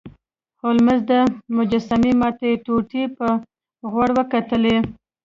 هولمز د مجسمې ماتې ټوټې په غور وکتلې.